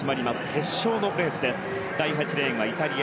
決勝のレースです。